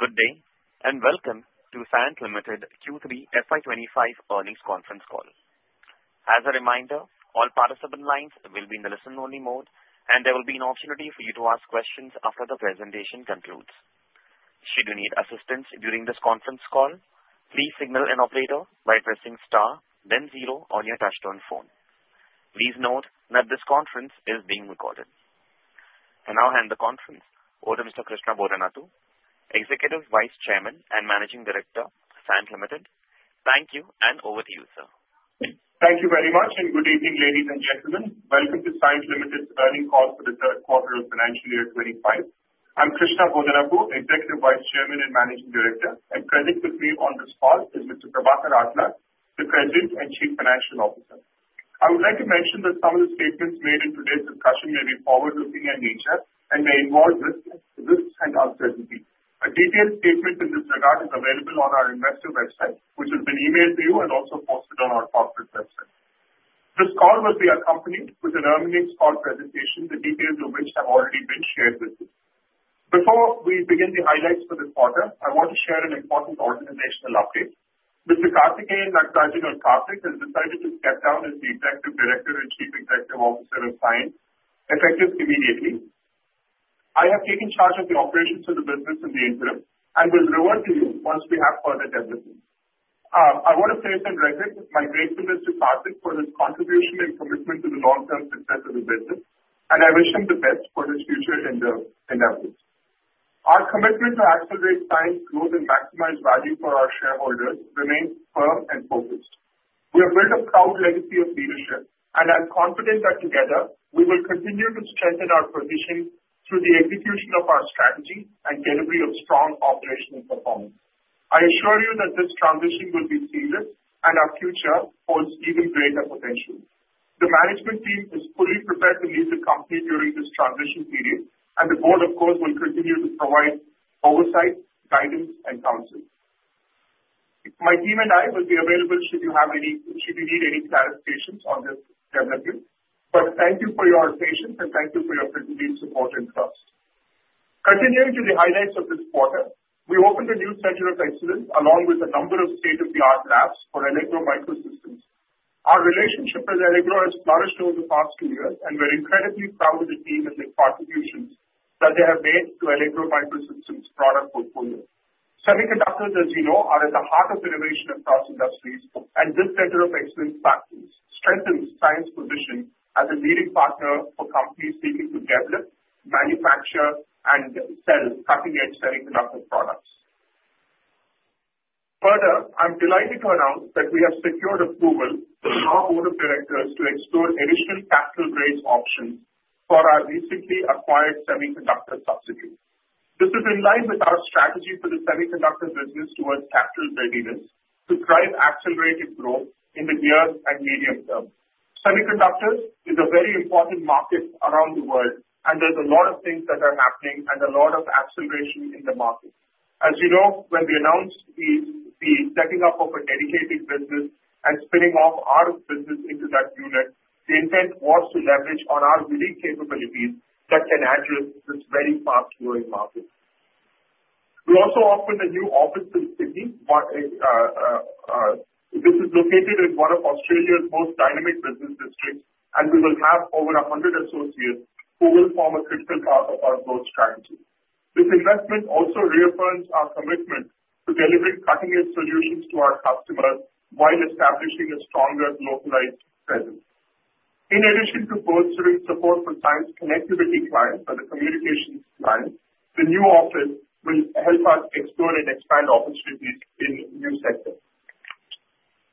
Good day, and welcome to Cyient Limited Q3 FY 2025 earnings conference call. As a reminder, all participant lines will be in the listen-only mode, and there will be an opportunity for you to ask questions after the presentation concludes. Should you need assistance during this conference call, please signal an operator by pressing star, then zero on your touch-tone phone. Please note that this conference is being recorded. I'll hand the conference over to Mr. Krishna Bodanapu, Executive Vice Chairman and Managing Director of Cyient Limited. Thank you, and over to you, sir. Thank you very much, and good evening, ladies and gentlemen. Welcome to Cyient Limited's earnings call for the third quarter of financial year 2025. I'm Krishna Bodanapu, Executive Vice Chairman and Managing Director, and present with me on this call is Mr. Prabhakar Atla, the President and Chief Financial Officer. I would like to mention that some of the statements made in today's discussion may be forward-looking in nature and may involve risks and uncertainties. A detailed statement in this regard is available on our investor website, which has been emailed to you and also posted on our corporate website. This call will be accompanied with a remaining small presentation, the details of which have already been shared with you. Before we begin the highlights for this quarter, I want to share an important organizational update. Mr. Karthikeyan Natarajan has decided to step down as the Executive Director and Chief Executive Officer of Cyient effective immediately. I have taken charge of the operations of the business in the interim and will revert to you once we have further developments. I want to say, for the record, my gratefulness to Natarajan for his contribution and commitment to the long-term success of the business, and I wish him the best for his future endeavors. Our commitment to accelerate Cyient's growth and maximize value for our shareholders remains firm and focused. We have built a proud legacy of leadership, and I'm confident that together we will continue to strengthen our position through the execution of our strategy and delivery of strong operational performance. I assure you that this transition will be seamless, and our future holds even greater potential. The management team is fully prepared to lead the company during this transition period, and the board, of course, will continue to provide oversight, guidance, and counsel. My team and I will be available should you need any clarifications on this development, but thank you for your patience, and thank you for your continued support and trust. Continuing to the highlights of this quarter, we opened a new center of excellence along with a number of state-of-the-art labs for Allegro MicroSystems. Our relationship with Allegro has flourished over the past two years, and we're incredibly proud of the team and the contributions that they have made to Allegro MicroSystems product portfolio. Semiconductors, as you know, are at the heart of innovation across industries, and this center of excellence factory strengthens Cyient's position as a leading partner for companies seeking to develop, manufacture, and sell cutting-edge semiconductor products. Further, I'm delighted to announce that we have secured approval from our board of directors to explore additional capital raising options for our recently acquired semiconductor subsidiary. This is in line with our strategy for the semiconductor business towards capital readiness to drive accelerated growth in the near and medium term. Semiconductors is a very important market around the world, and there's a lot of things that are happening and a lot of acceleration in the market. As you know, when we announced the setting up of a dedicated business and spinning off our business into that unit, the intent was to leverage our unique capabilities that can address this very fast-growing market. We also opened a new office in Sydney. This is located in one of Australia's most dynamic business districts, and we will have over 100 associates who will form a critical part of our growth strategy. This investment also reaffirms our commitment to delivering cutting-edge solutions to our customers while establishing a stronger localized presence. In addition to bolstering support for Cyient's connectivity clients and the communications clients, the new office will help us explore and expand opportunities in new sectors.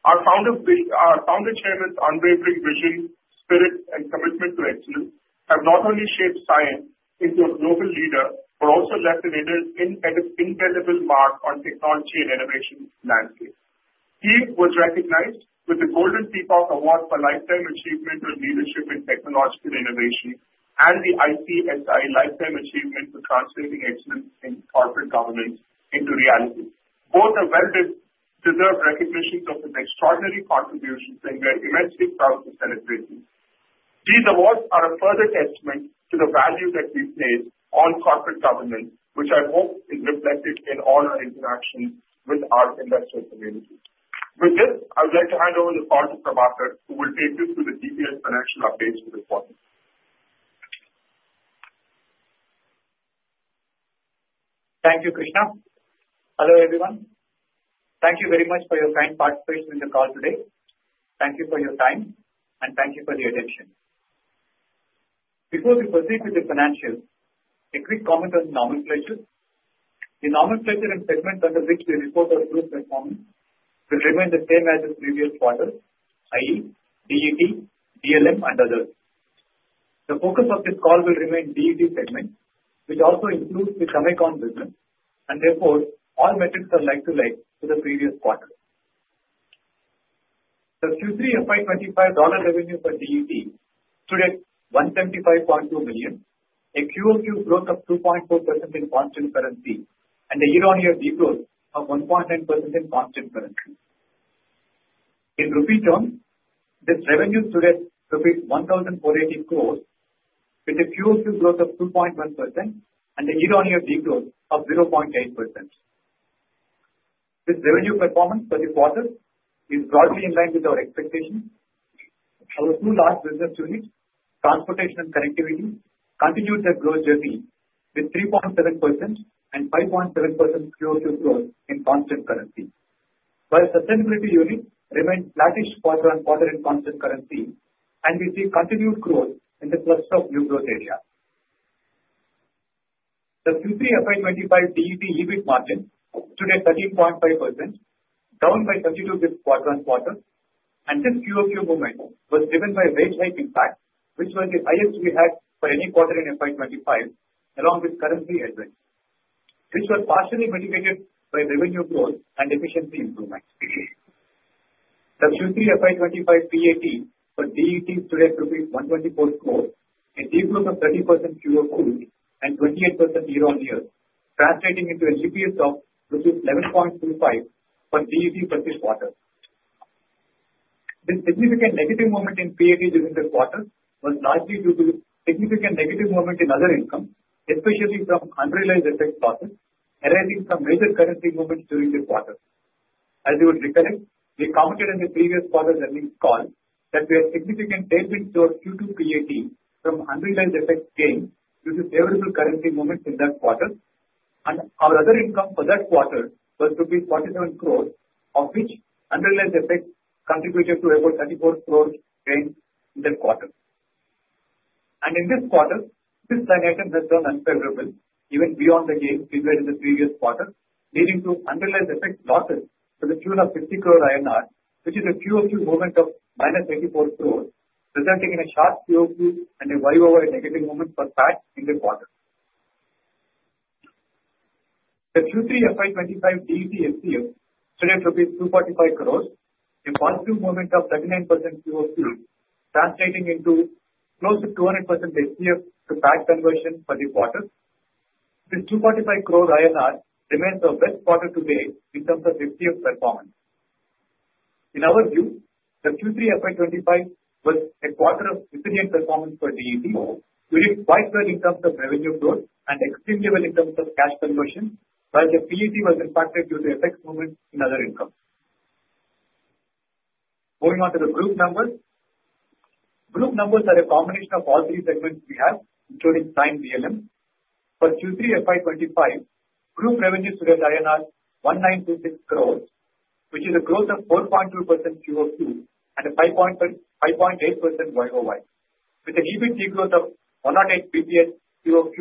Our founder chairman's unwavering vision, spirit, and commitment to excellence have not only shaped Cyient into a global leader but also left an indelible mark on technology and innovation landscape. He was recognized with the Golden Peacock Award for Lifetime Achievement of Leadership in Technological Innovation and the ICSI Lifetime Achievement for Translating Excellence in Corporate Governance into reality. Both are well-deserved recognitions of his extraordinary contributions, and we are immensely proud to celebrate these. These awards are a further testament to the value that we place on corporate governance, which I hope is reflected in all our interactions with our investor community. With this, I would like to hand over the call to Prabhakar, who will take you through the detailed financial updates for this quarter. Thank you, Krishna. Hello, everyone. Thank you very much for your kind participation in the call today. Thank you for your time, and thank you for the attention. Before we proceed with the financials, a quick comment on the norms of disclosure. The norms of disclosure and segments under which we report our growth performance will remain the same as the previous quarter, i.e., DET, DLM, and others. The focus of this call will remain DET segment, which also includes the communications business, and therefore all metrics are like to like to the previous quarter. The Q3 FY 2025 dollar revenue for DET stood at $175.2 million, a QOQ growth of 2.4% in constant currency, and a year-on-year de-growth of 1.9% in constant currency. In rupee terms, this revenue stood at 1,480 crores with a QOQ growth of 2.1% and a year-on-year de-growth of 0.8%. This revenue performance for the quarter is broadly in line with our expectations. Our two largest business units, transportation and connectivity, continued their growth journey with 3.7% and 5.7% QOQ growth in constant currency. While sustainability unit remained flat-ish quarter-on-quarter in constant currency, and we see continued growth in the cluster of new growth areas. The Q3 FY 2025 DET EBIT margin stood at 13.5%, down by 32 bps quarter-on-quarter, and this QOQ movement was driven by wage hike impact, which was the highest we had for any quarter in FY 2025, along with currency headwinds, which were partially mitigated by revenue growth and efficiency improvements. The Q3 FY 2025 PAT for DET stood at INR 124 crores, a de-growth of 30% QOQ and 28% year-on-year, translating into an EPS of 11.25% for DET for this quarter. This significant negative movement in PAT during the quarter was largely due to significant negative movement in other income, especially from unrealized FX losses arising from major currency movements during the quarter. As you would recollect, we commented on the previous quarter's earnings call that we had significant tailwinds to our Q2 PAT from unrealized FX gain due to favorable currency movements in that quarter, and our other income for that quarter was 47 crores, of which unrealized FX contributed to about 34 crores gain in the quarter. In this quarter, this line item has gone unfavorably even beyond the gain we made in the previous quarter, leading to unrealized FX losses to the tune of 50 crores INR, which is a QOQ movement of minus 84 crores, resulting in a sharp QOQ and a very overall negative movement for PAT in the quarter. The Q3 FY 2025 DET FCF stood at 245 crores, a positive movement of 39% QOQ, translating into close to 200% FCF to PAT conversion for the quarter. This 245 crores INR remains our best quarter to date in terms of FCF performance. In our view, the Q3 FY 2025 was a quarter of significant performance for DET. We did quite well in terms of revenue growth and extremely well in terms of cash conversion, while the PAT was impacted due to FX movements in other income. Moving on to the group numbers. Group numbers are a combination of all three segments we have, including Cyient DLM. For Q3 FY 2025, group revenue stood at INR 1926 crores, which is a growth of 4.2% QOQ and a 5.8% YOY, with an EBIT de-growth of 108 bps QOQ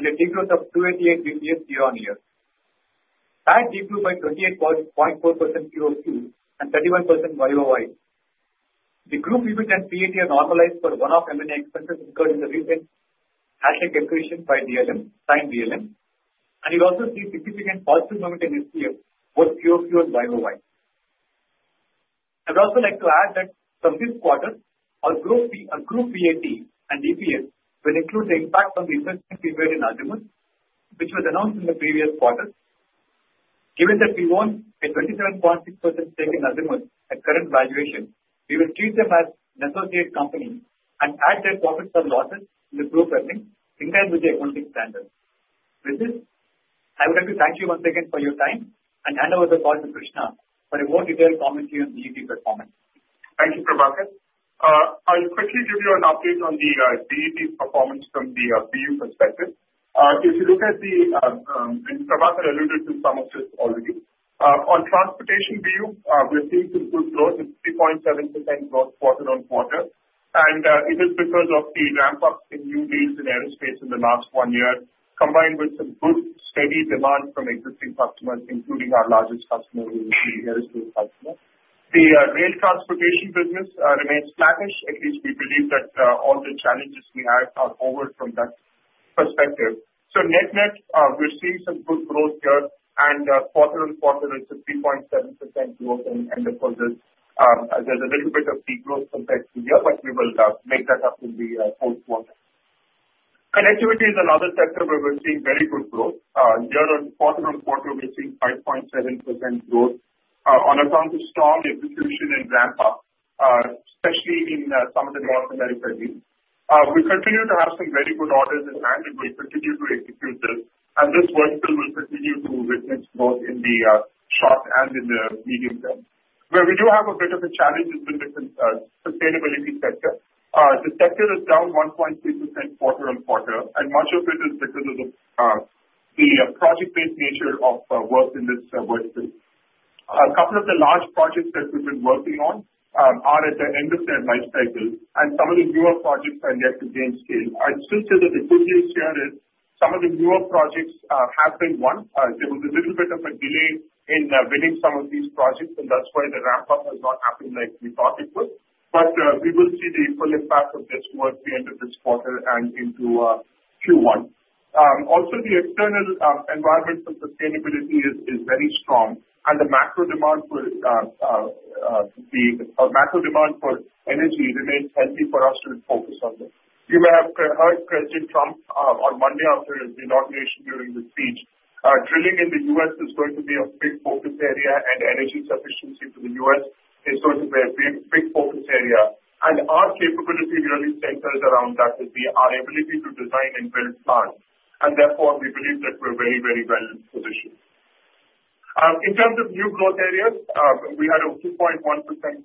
and a de-growth of 288 bps year-on-year. PAT de-growth by 28.4% QOQ and 31% YOY. The group EBIT and PAT are normalized for one-off M&A expenses because of the recent asset accretion by DLM, Cyient DLM, and you'll also see significant positive movement in FCF, both QOQ and YOY. I would also like to add that from this quarter, our group PAT and DPS will include the impact on the investment we made in Azimuth, which was announced in the previous quarter. Given that we own a 27.6% stake in Azimuth at current valuation, we will treat them as an associate company and add their profits and losses to the group earnings in line with the accounting standards. With this, I would like to thank you once again for your time and hand over the call to Krishna for a more detailed commentary on DET performance. Thank you, Prabhakar. I'll quickly give you an update on the DET performance from the BU perspective. If you look at the, and Prabhakar alluded to some of this already, on transportation BU, we're seeing some good growth, a 3.7% growth quarter-on-quarter, and it is because of the ramp-up in new deals in aerospace in the last one year, combined with some good steady demand from existing customers, including our largest customer, which is the aerospace customer. The rail transportation business remains flat-ish. At least we believe that all the challenges we have are over from that perspective. So net-net, we're seeing some good growth here, and quarter-on-quarter, it's a 3.7% growth, and of course, there's a little bit of de-growth compared to the year, but we will make that up in the fourth quarter. Connectivity is another sector where we're seeing very good growth. Quarter-on-quarter, we're seeing 5.7% growth on account of strong execution and ramp-up, especially in some of the North America regions. We continue to have some very good orders in hand, and we'll continue to execute this, and this vertical will continue to witness growth in the short and in the medium term. Where we do have a bit of a challenge has been the sustainability sector. The sector is down 1.3% quarter-on-quarter, and much of it is because of the project-based nature of work in this vertical. A couple of the large projects that we've been working on are at the end of their life cycle, and some of the newer projects are yet to gain scale. I'd still say that the good news here is some of the newer projects have been won. There was a little bit of a delay in winning some of these projects, and that's why the ramp-up has not happened like we thought it would, but we will see the full impact of this work at the end of this quarter and into Q1. Also, the external environment for sustainability is very strong, and the macro demand for energy remains healthy for us to focus on this. You may have heard President Trump on Monday after his inauguration during the speech, "Drilling in the U.S. is going to be a big focus area, and energy sufficiency for the U.S. is going to be a big focus area," and our capability really centers around that is our ability to design and build plants, and therefore we believe that we're very, very well positioned. In terms of new growth areas, we had a 2.1%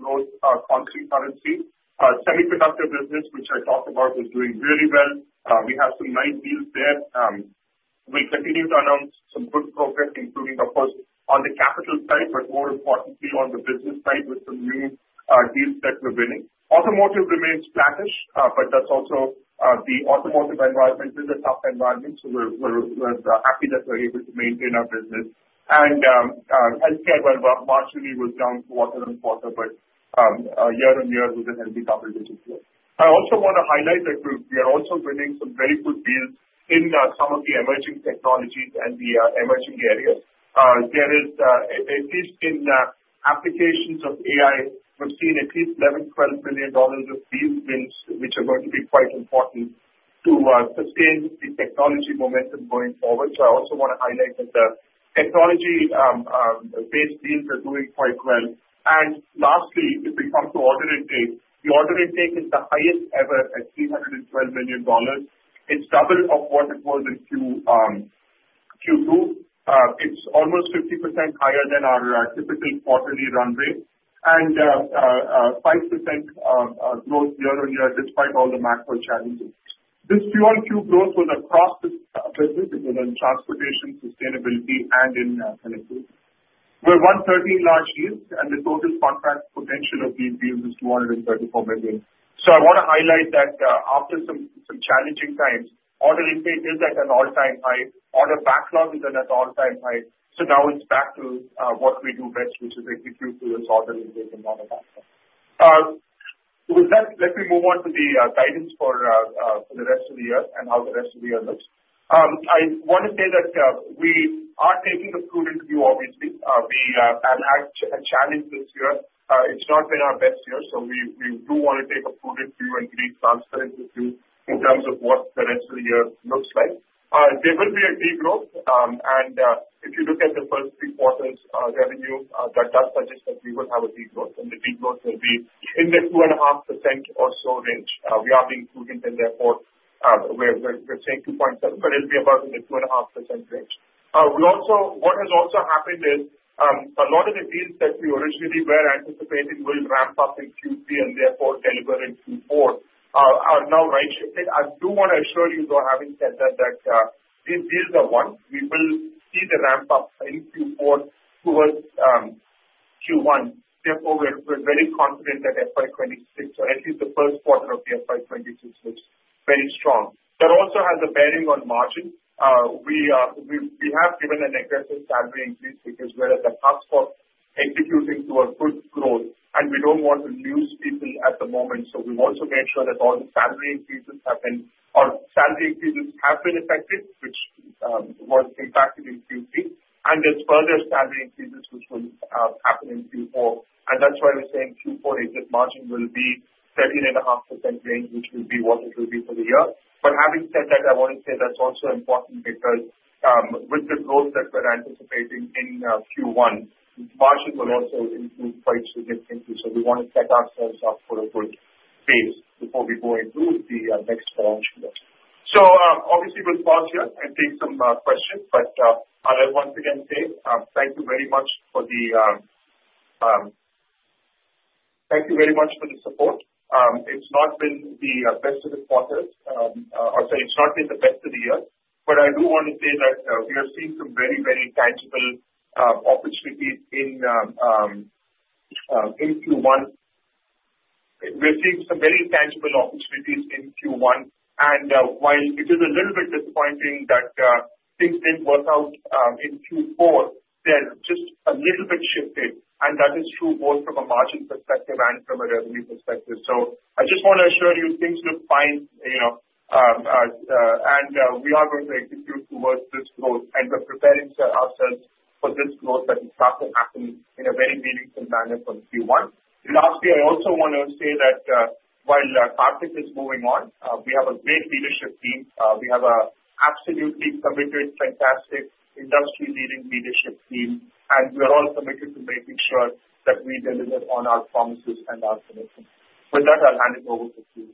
growth across the currency. Semiconductor business, which I talked about, is doing really well. We have some nice deals there. We'll continue to announce some good progress, including, of course, on the capital side, but more importantly, on the business side with some new deals that we're winning. Automotive remains flat-ish, but that's also the automotive environment is a tough environment, so we're happy that we're able to maintain our business, and healthcare while marginally was down quarter-on-quarter, but year-on-year we've been healthy compared to this year. I also want to highlight that we are also winning some very good deals in some of the emerging technologies and the emerging areas. There is, at least in applications of AI, we've seen at least $11 to $12 billion of deals won, which are going to be quite important to sustain the technology momentum going forward, so I also want to highlight that the technology-based deals are doing quite well. Lastly, if we come to order intake, the order intake is the highest ever at $312 million. It's double of what it was in Q2. It's almost 50% higher than our typical quarterly run rate, and 5% growth year-on-year despite all the macro challenges. This Q1 QoQ growth was across the business. It was in transportation, sustainability, and in connectivity. We won 113 large deals, and the total contract potential of these deals is $234 million. I want to highlight that after some challenging times, order intake is at an all-time high. Order backlog is at an all-time high, so now it's back to what we do best, which is execute to this order intake and order backlog. With that, let me move on to the guidance for the rest of the year and how the rest of the year looks. I want to say that we are taking a prudent view, obviously. We have had a challenge this year. It's not been our best year, so we do want to take a prudent view and be transparent with you in terms of what the rest of the year looks like. There will be a degrowth, and if you look at the first three quarters' revenue, that does suggest that we will have a degrowth, and the degrowth will be in the 2.5% or so range. We are being prudent, and therefore we're saying 2.7%, but it'll be about in the 2.5% range. What has also happened is a lot of the deals that we originally were anticipating will ramp up in Q3 and therefore deliver in Q4 are now right-shifted. I do want to assure you, though, having said that, that these deals are one. We will see the ramp-up in Q4 towards Q1. Therefore, we're very confident that FY 2026, or at least the first quarter of the FY 2026, looks very strong. That also has a bearing on margin. We have given an aggressive salary increase because we're at the cusp of executing to our good growth, and we don't want to lose people at the moment, so we want to make sure that all the salary increases have been effected, which were impacted in Q3, and there's further salary increases which will happen in Q4, and that's why we're saying Q4 exit margin will be 13.5% range, which will be what it will be for the year. But having said that, I want to say that's also important because with the growth that we're anticipating in Q1, margin will also improve quite significantly, so we want to set ourselves up for a good base before we go into the next financial year. So obviously, we'll pause here and take some questions, but I'll once again say thank you very much for the support. It's not been the best of the quarters, or sorry, it's not been the best of the year, but I do want to say that we are seeing some very, very tangible opportunities in Q1. We're seeing some very tangible opportunities in Q1, and while it is a little bit disappointing that things didn't work out in Q4, they're just a little bit shifted, and that is true both from a margin perspective and from a revenue perspective. So I just want to assure you things look fine, and we are going to execute towards this growth, and we're preparing ourselves for this growth that is about to happen in a very meaningful manner from Q1. Lastly, I also want to say that while Prabhakar is moving on, we have a great leadership team. We have an absolutely committed, fantastic, industry-leading leadership team, and we are all committed to making sure that we deliver on our promises and our commitments. With that, I'll hand it over to you.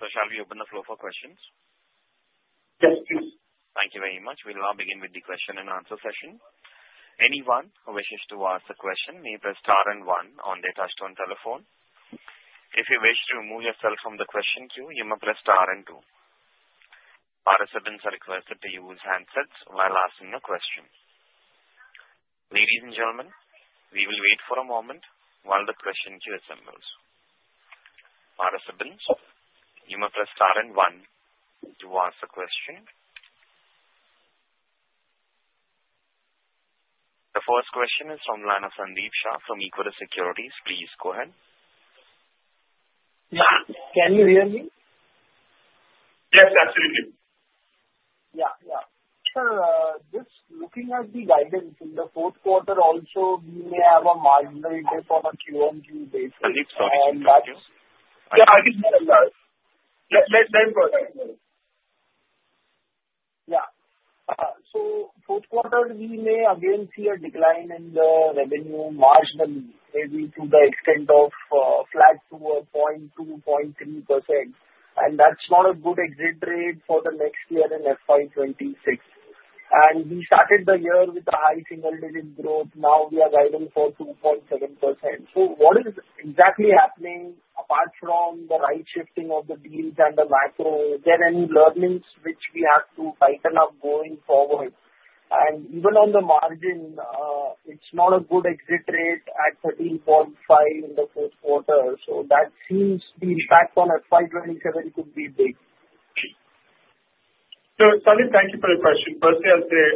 So, shall we open the floor for questions? Yes, please. Thank you very much. We'll now begin with the question-and-answer session. Anyone who wishes to ask a question may press star and one on their touch-tone telephone. If you wish to remove yourself from the question queue, you may press star and two. Participants are requested to use handsets while asking a question. Ladies and gentlemen, we will wait for a moment while the question queue assembles. Participants, you may press star and one to ask a question. The first question is from the line of Sandeep Shah from Equirus Securities. Please go ahead. Yeah. Can you hear me? Yes, absolutely. Yeah, yeah. Sir, just looking at the guidance in the fourth quarter, also we may have a marginal deal for a Q1 Q base, and that's. Yeah, I can hear you. Yeah, let him go ahead. Yeah. So fourth quarter, we may again see a decline in the revenue marginally, maybe to the extent of flat to 0.2% to 0.3%, and that's not a good exit rate for the next year in FY 2026. And we started the year with a high single-digit growth. Now we are guiding for 2.7%. So what is exactly happening apart from the right shifting of the deals and the macro? Is there any learnings which we have to tighten up going forward? And even on the margin, it's not a good exit rate at 13.5% in the fourth quarter, so that seems the impact on FY 2027 could be big. Sandeep, thank you for the question. Firstly,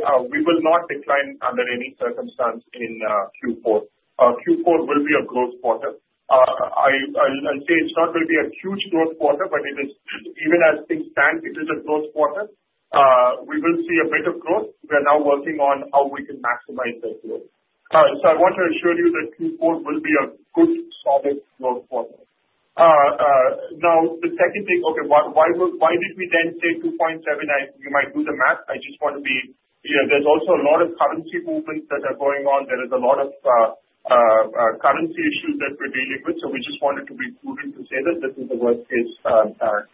I'll say we will not decline under any circumstance in Q4. Q4 will be a growth quarter. I'll say it's not going to be a huge growth quarter, but even as things stand, it is a growth quarter. We will see a bit of growth. We are now working on how we can maximize that growth. I want to assure you that Q4 will be a good, solid growth quarter. Now, the second thing, okay, why did we then say 2.7? You might do the math. I just want to be clear. There's also a lot of currency movements that are going on. There is a lot of currency issues that we're dealing with, so we just wanted to be prudent to say that this is the worst-case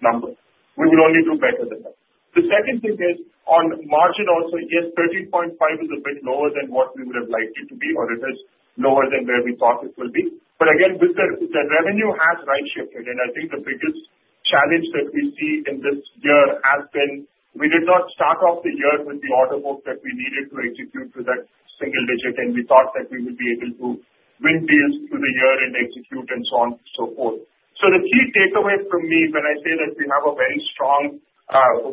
number. We will only do better than that. The second thing is on margin also, yes, 13.5% is a bit lower than what we would have liked it to be, or it is lower than where we thought it will be. But again, the revenue has right-shifted, and I think the biggest challenge that we see in this year has been we did not start off the year with the order book that we needed to execute with that single digit, and we thought that we would be able to win deals through the year and execute and so on and so forth. So the key takeaway from me when I say that we have a very strong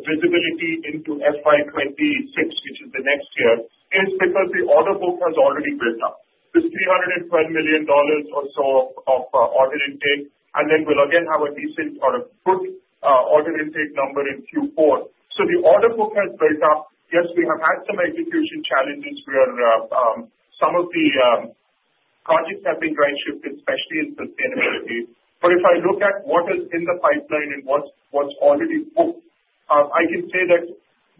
visibility into FY 2026, which is the next year, is because the order book has already built up. This $312 million or so of order intake, and then we'll again have a decent or a good order intake number in Q4. So the order book has built up. Yes, we have had some execution challenges where some of the projects have been right-shifted, especially in sustainability. But if I look at what is in the pipeline and what's already booked, I can say that,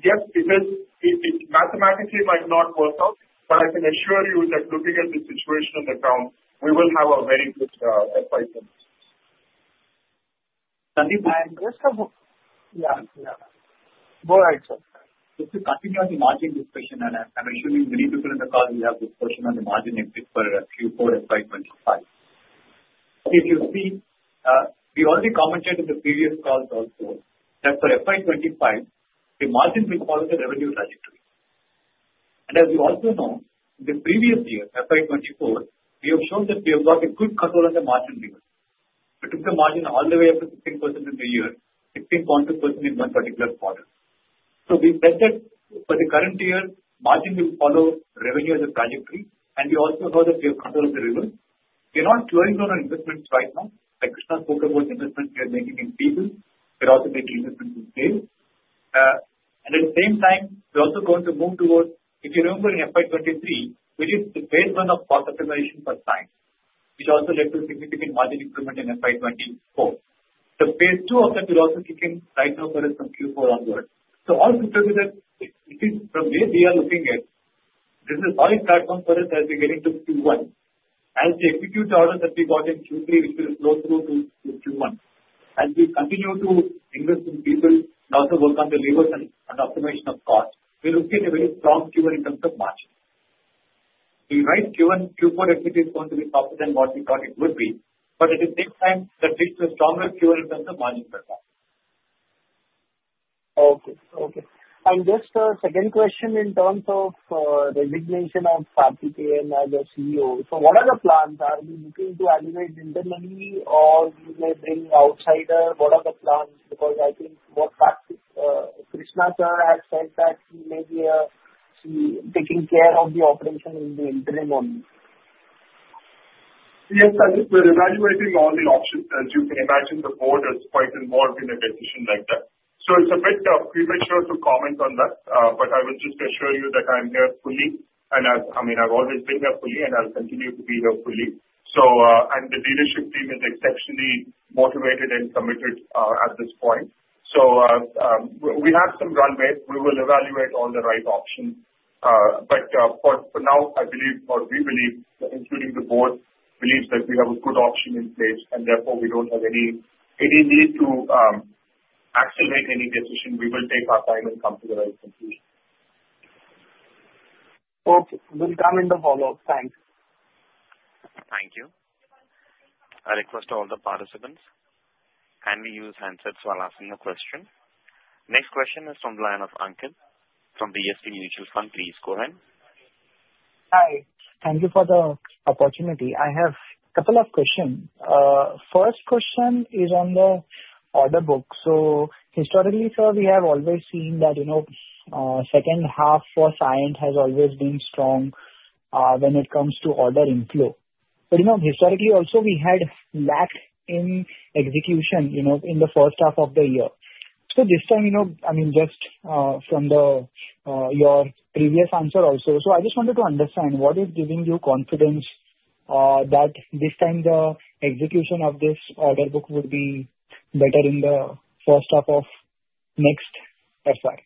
yes, because it mathematically might not work out, but I can assure you that looking at the situation on the ground, we will have a very good FY 2026. Sandeep, I'm just, yeah, yeah. Go ahead, sir. Just to continue on the margin discussion, and I'm assuming many people in the call will have discussion on the margin exit for Q4 FY 2025. If you see, we already commented in the previous calls also that for FY 2025, the margin will follow the revenue trajectory, and as you also know, in the previous year, FY 2024, we have shown that we have got a good control on the margin levers. We took the margin all the way up to 16% in the year, 16.2% in one particular quarter, so we said that for the current year, margin will follow revenue as a trajectory, and we also know that we have control of the levers. We're not closing down our investments right now. Like Krishna spoke about the investments we are making in people, we're also making investments in sales. And at the same time, we're also going to move towards, if you remember in FY 2023, we did the phase one of cost optimization program, which also led to a significant margin improvement in FY 2024. The phase two of that will also kick in right now for us from Q4 onward. So all together, from where we are looking at, this is a solid platform for us as we're getting to Q1. As we execute the orders that we got in Q3, which will flow through to Q1, as we continue to invest in people and also work on the levers and optimization of cost, we'll look at a very strong Q1 in terms of margin. The right Q4 exit is going to be softer than what we thought it would be, but at the same time, that leads to a stronger Q1 in terms of margin per capita. Okay, okay, and just a second question in terms of resignation of Prabhakar as the CEO. So what are the plans? Are we looking to elevate internally, or will they bring outsiders? What are the plans? Because I think what Krishna Sir has said that he may be taking care of the operation in the interim only. Yes, Sandeep, we're evaluating all the options. As you can imagine, the board is quite involved in a decision like that, so it's a bit premature to comment on that, but I will just assure you that I'm here fully, and I mean, I've always been here fully, and I'll continue to be here fully, and the leadership team is exceptionally motivated and committed at this point, so we have some runway. We will evaluate all the right options, but for now, I believe, or we believe, including the board, believes that we have a good option in place, and therefore we don't have any need to accelerate any decision. We will take our time and come to the right conclusion. Okay. We'll come in the follow-up. Thanks. Thank you. I request all the participants kindly use handsets while asking the question. Next question is from Ankit Pande from DSP Mutual Fund. Please go ahead. Hi. Thank you for the opportunity. I have a couple of questions. First question is on the order book. So historically, sir, we have always seen that second half for Cyient has always been strong when it comes to order inflow. But historically, also, we had lacked in execution in the first half of the year. So this time, I mean, just from your previous answer also, so I just wanted to understand what is giving you confidence that this time the execution of this order book would be better in the first half of next FY?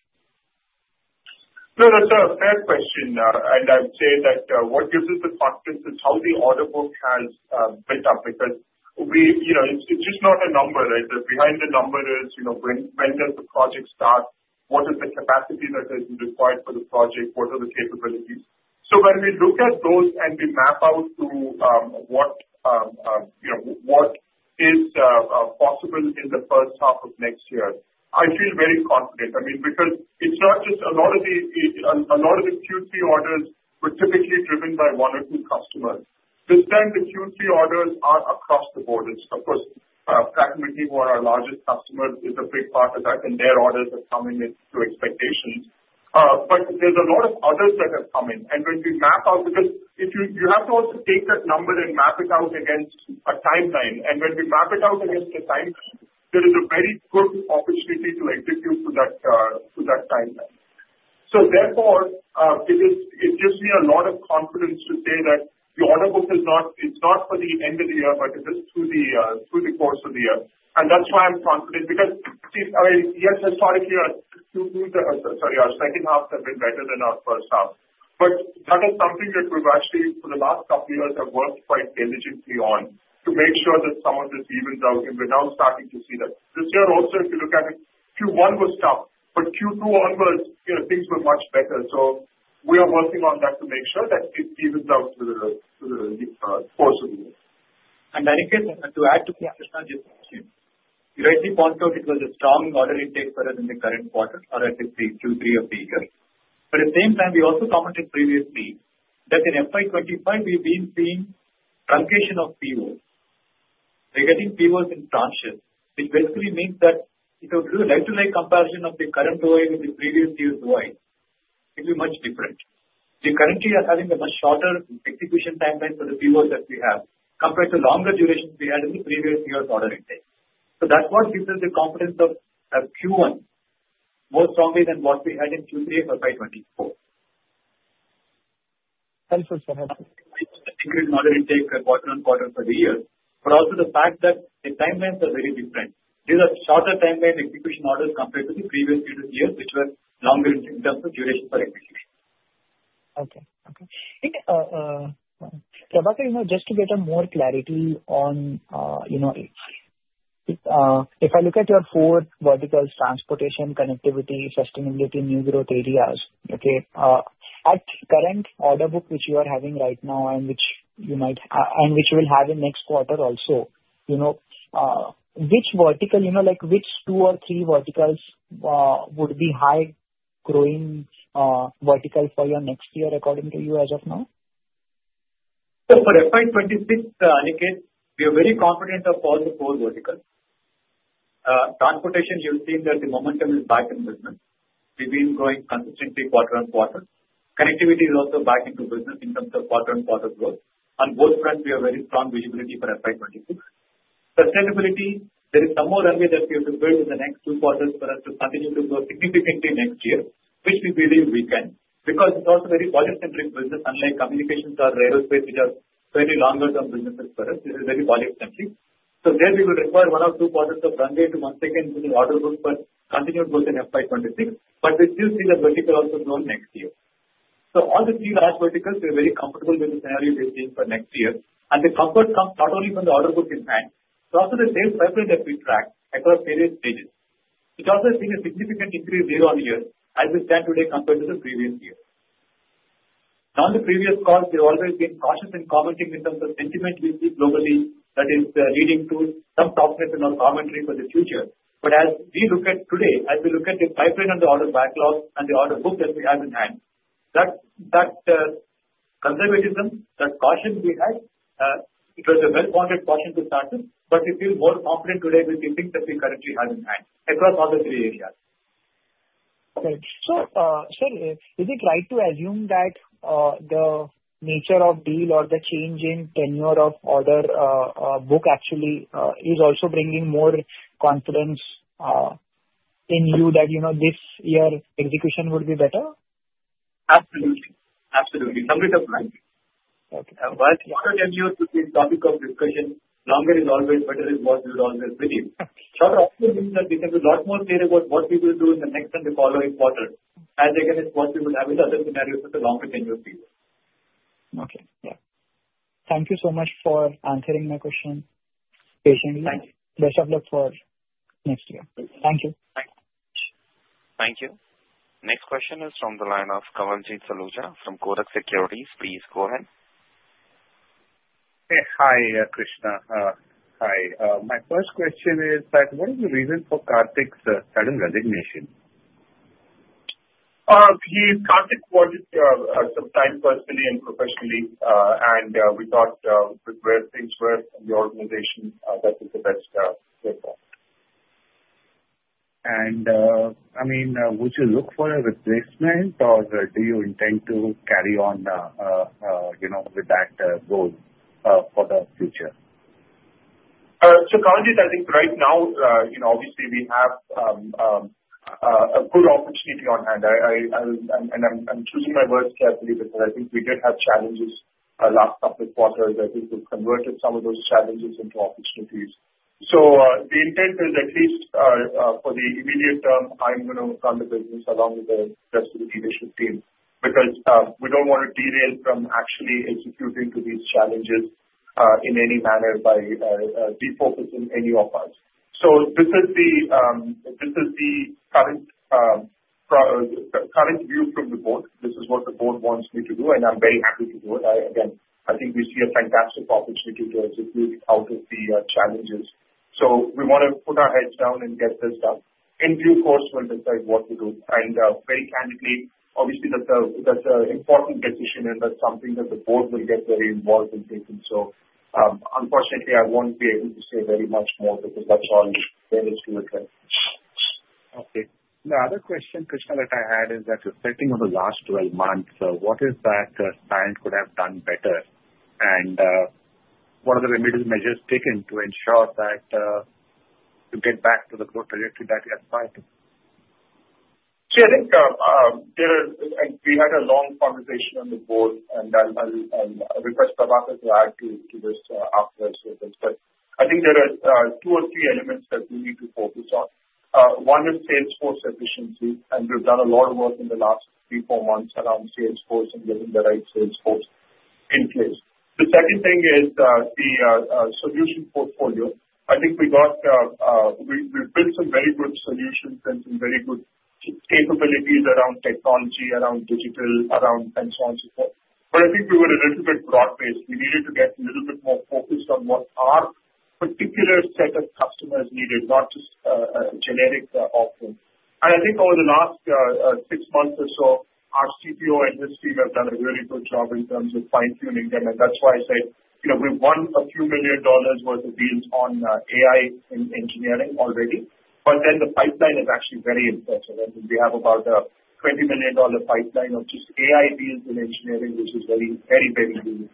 No, that's a fair question, and I'd say that what gives us the confidence is how the order book has built up because it's just not a number, right? Behind the number is when does the project start, what is the capacity that is required for the project, what are the capabilities, so when we look at those and we map out to what is possible in the first half of next year, I feel very confident. I mean, because it's not just a lot of the Q3 orders were typically driven by one or two customers. This time, the Q3 orders are across the board. Of course, Prabhakar Atla, who are our largest customers, is a big part of that, and their orders have come in to expectations, but there's a lot of others that have come in. And when we map out, because you have to also take that number and map it out against a timeline. And when we map it out against the timeline, there is a very good opportunity to execute to that timeline. So therefore, it gives me a lot of confidence to say that the order book is not for the end of the year, but it is through the course of the year. And that's why I'm confident because, I mean, yes, historically, our Q2, sorry, our second half has been better than our first half. But that is something that we've actually, for the last couple of years, have worked quite diligently on to make sure that some of the reasons out, and we're now starting to see that. This year also, if you look at it, Q1 was tough, but Q2 onwards, things were much better. So we are working on that to make sure that it evens out over the course of the year. Aniket, to add to Krishna's question, we already spoke of it was a strong order intake for us in the current quarter, or at least the Q3 of the year. But at the same time, we also commented previously that in FY 2025, we've been seeing truncation of POs. We're getting POs in tranches, which basically means that if you do a year-to-year comparison of the current OI with the previous year's OI, it will be much different. We currently are having a much shorter execution timeline for the POs that we have compared to longer durations we had in the previous year's order intake. So that's what gives us the confidence of Q1 more strongly than what we had in Q3 of FY 2024. Thank you for that. Increased order intake quarter on quarter for the year, but also the fact that the timelines are very different. These are shorter timeline execution orders compared to the previous years, which were longer in terms of duration for execution. Okay, okay. Prabhakar, just to get more clarity on, if I look at your four verticals: transportation, connectivity, sustainability, new growth areas, okay, at current order book, which you are having right now and which you might and which will have in next quarter also, which vertical, like which two or three verticals would be high-growing verticals for your next year according to you as of now? So for FY 2026, Kawaljeet, we are very confident of all the four verticals. Transportation, you'll see that the momentum is back in business. We've been growing consistently quarter on quarter. Connectivity is also back into business in terms of quarter on quarter growth. On both fronts, we have very strong visibility for FY 2026. Sustainability, there is some more runway that we have to build in the next two quarters for us to continue to grow significantly next year, which we believe we can because it's also very volume-centric business, unlike communications or aerospace, which are very longer-term businesses for us. This is very volume-centric. So there, we will require one or two quarters of runway to once again do the order book for continued growth in FY 2026, but we still see the vertical also grow next year. So all the three large verticals, we're very comfortable with the scenario we've seen for next year. And the comfort comes not only from the order book in hand, but also the sales pipeline that we tracked across various stages. It also has seen a significant increase year on year as we stand today compared to the previous year. Now, in the previous calls, we've always been cautious in commenting in terms of sentiment we see globally that is leading to some softness in our commentary for the future. But as we look at today, as we look at the pipeline and the order backlog and the order book that we have in hand, that conservatism, that caution we had, it was a well-founded caution to start with, but we feel more confident today with the things that we currently have in hand across all the three areas. Okay, so sir, is it right to assume that the nature of deal or the change in tenure of order book actually is also bringing more confidence in you that this year's execution would be better? Absolutely. Absolutely. Some bit of right. Okay. But shorter tenure could be a topic of discussion. Longer is always better is what we would always believe. Shorter option means that we can do a lot more clear about what we will do in the next and the following quarter as against what we would have in other scenarios with the longer tenure people. Okay. Yeah. Thank you so much for answering my question patiently. Thank you. Best of luck for next year. Thank you. Thank you. Thank you. Next question is from the line of Kawaljeet Saluja from Kotak Institutional Equities. Please go ahead. Hi, Krishna. Hi. My first question is that what is the reason for Karthikeyan's sudden resignation? He, Karthikeyan, was for some time, personally and professionally, and we thought, with where things were in the organization, that was the best way for us. I mean, would you look for a replacement, or do you intend to carry on with that role for the future? So, Kawaljeet, I think right now, obviously, we have a good opportunity on hand. And I'm choosing my words carefully because I think we did have challenges last couple of quarters. I think we've converted some of those challenges into opportunities. So the intent is, at least for the immediate term, I'm going to run the business along with the rest of the leadership team because we don't want to derail from actually executing to these challenges in any manner by defocusing any of us. So this is the current view from the board. This is what the board wants me to do, and I'm very happy to do it. Again, I think we see a fantastic opportunity to execute out of the challenges. So we want to put our heads down and get this done. In due course, we'll decide what to do. Very candidly, obviously, that's an important decision, and that's something that the board will get very involved in taking. Unfortunately, I won't be able to say very much more because that's all there is to it. Okay. The other question, Krishna, that I had is that, setting aside the last 12 months, what is it that Cyient could have done better, and what are the remedial measures taken to ensure that you get back to the growth trajectory that you aspire to? See, I think we had a long conversation on the board, and I'll request Prabhakar to add to this afterwards with us. But I think there are two or three elements that we need to focus on. One is sales force efficiency, and we've done a lot of work in the last three, four months around sales force and getting the right sales force in place. The second thing is the solution portfolio. I think we built some very good solutions and some very good capabilities around technology, around digital, around and so on and so forth. But I think we were a little bit broad-based. We needed to get a little bit more focused on what our particular set of customers needed, not just a generic offering. And I think over the last six months or so, our CTO and his team have done a very good job in terms of fine-tuning them. And that's why I said we've won a few million dollars' worth of deals on AI and engineering already. But then the pipeline is actually very important. I think we have about a $20 million pipeline of just AI deals in engineering, which is very, very big.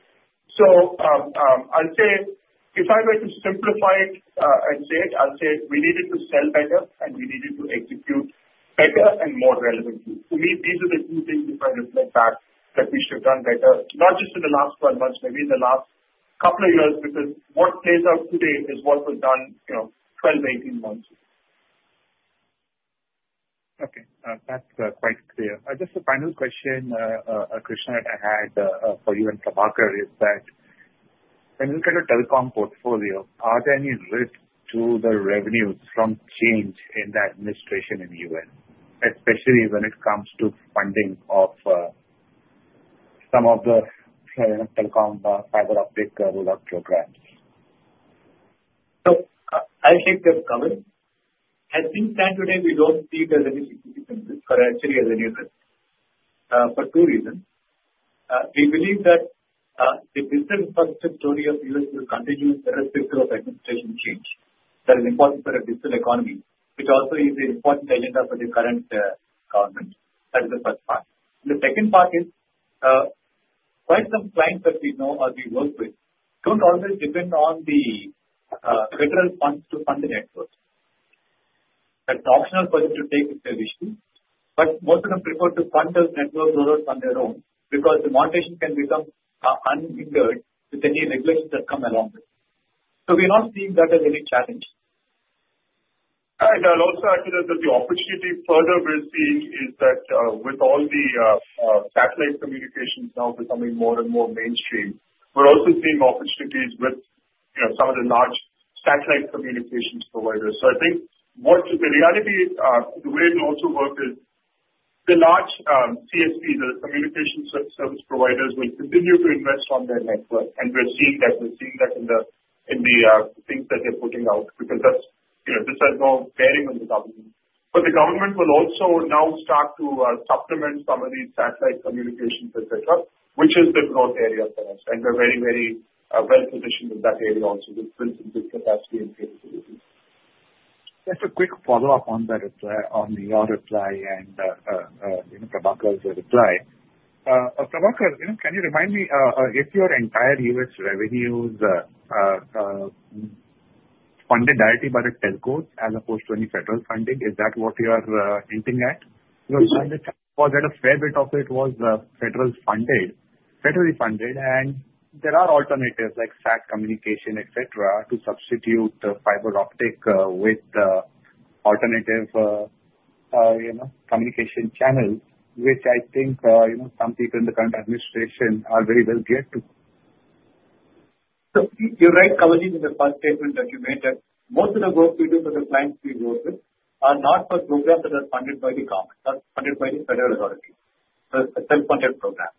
So I'd say if I were to simplify it and say it, I'll say we needed to sell better, and we needed to execute better and more relevantly. To me, these are the two things, if I reflect back, that we should have done better, not just in the last 12 months, maybe in the last couple of years, because what plays out today is what was done 12, 18 months ago. Okay. That's quite clear. Just a final question, Krishna, that I had for you and Prabhakar is that, when you look at your telecom portfolio, are there any risks to the revenues from change in the administration in the US, especially when it comes to funding of some of the telecom fiber optic rollout programs? So I think there's coverage. I think, standing today, we don't see there's any significant risk, or actually there's any risk, for two reasons. We believe that the digital infrastructure story of the U.S. will continue irrespective of administration change. That is important for a digital economy, which also is an important agenda for the current government. That is the first part. The second part is quite some clients that we know or we work with don't always depend on the federal funds to fund the network. That's optional for them to take if there's issues, but most of them prefer to fund those network rollouts on their own because the motivation can become unhindered with any regulations that come along with it. So we're not seeing that as any challenge. And I'll also add to that that the opportunity further we're seeing is that with all the satellite communications now becoming more and more mainstream, we're also seeing opportunities with some of the large satellite communications providers. So I think what the reality is, the way it will also work is the large CSPs, the communication service providers, will continue to invest on their network. And we're seeing that. We're seeing that in the things that they're putting out because this has no bearing on the government. But the government will also now start to supplement some of these satellite communications, etc., which is the growth area for us. And we're very, very well positioned in that area also with some good capacity and capabilities. Just a quick follow-up on your reply and Prabhakar's reply. Prabhakar, can you remind me if your entire U.S. revenues funded directly by the telcos as opposed to any federal funding? Is that what you're hinting at? Yes. Was that a fair bit of it was federally funded? There are alternatives like SAT communication, etc., to substitute the fiber optic with alternative communication channels, which I think some people in the current administration are very well geared to. So you're right, Kawaljeet, in the first statement that you made, that most of the work we do for the clients we work with are not for programs that are funded by the government. That's funded by the federal authorities. So it's a self-funded program.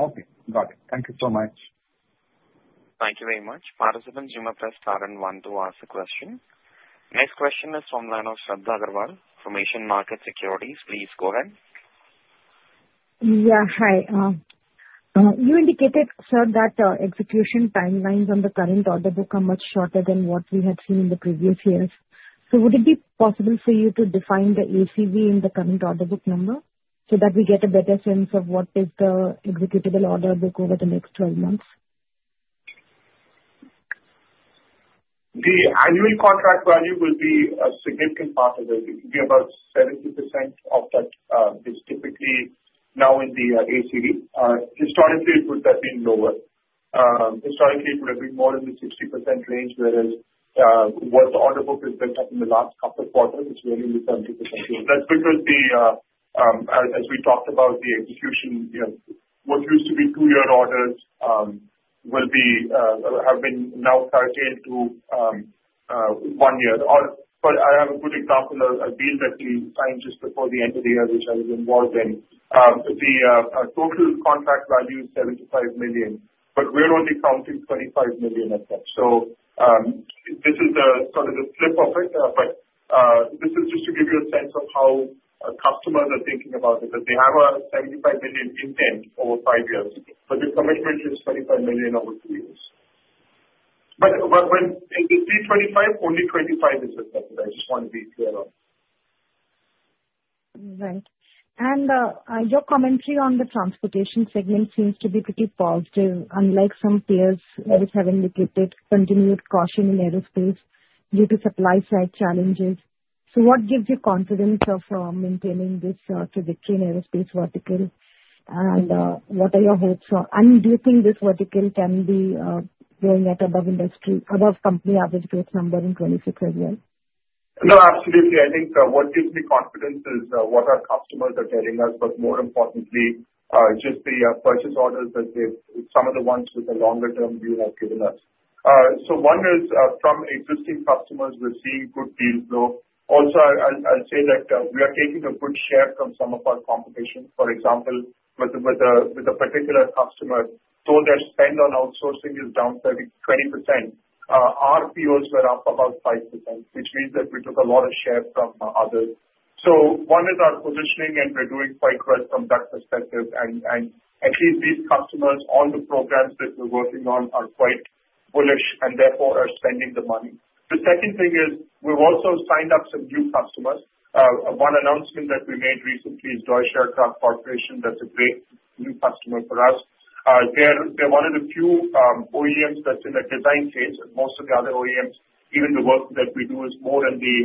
Okay. Got it. Thank you so much. Thank you very much. Participants, you may press star and one to ask a question. Next question is from the line of Shraddha Agrawal from Asian Market Securities. Please go ahead. Yeah. Hi. You indicated, sir, that execution timelines on the current order book are much shorter than what we had seen in the previous years. So would it be possible for you to define the ACV in the current order book number so that we get a better sense of what is the executable order book over the next 12 months? The annual contract value will be a significant part of it. It will be about 70% of that is typically now in the ACV. Historically, it would have been lower. Historically, it would have been more in the 60% range, whereas what the order book has built up in the last couple of quarters is really in the 70% range. That's because, as we talked about, the execution, what used to be two-year orders have been now curtailed to one year. But I have a good example of a deal that we signed just before the end of the year, which I was involved in. The total contract value is 75 million, but we're only counting 25 million at that. So this is sort of the flip of it, but this is just to give you a sense of how customers are thinking about it because they have a $75 million intent over five years, but the commitment is $25 million over two years. But in the FY 2025, only 25 is reflected. I just want to be clear on that. Right. And your commentary on the transportation segment seems to be pretty positive, unlike some peers which have indicated continued caution in aerospace due to supply-side challenges. So what gives you confidence of maintaining this trajectory in aerospace vertical, and what are your hopes? And do you think this vertical can be going at above company average growth number in 2026 as well? No, absolutely. I think what gives me confidence is what our customers are telling us, but more importantly, just the purchase orders that some of the ones with the longer-term view have given us. So one is from existing customers, we're seeing good deals go. Also, I'll say that we are taking a good share from some of our competition. For example, with a particular customer, though their spend on outsourcing is down 20%, our POs were up about 5%, which means that we took a lot of share from others. So one is our positioning, and we're doing quite well from that perspective. And at least these customers, all the programs that we're working on, are quite bullish and therefore are spending the money. The second thing is we've also signed up some new customers. One announcement that we made recently is Deutsche Aircraft. That's a great new customer for us. They're one of the few OEMs that's in the design phase. Most of the other OEMs, even the work that we do, is more in the